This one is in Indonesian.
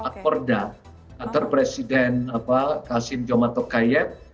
kantor presiden kasim jomatokayet